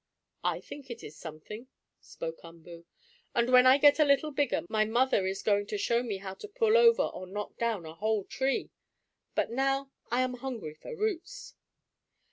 "I think it is something," spoke Umboo. "And, when I get a little bigger my mother is going to show me how to pull over, or knock down, a whole tree. But now I am hungry for roots."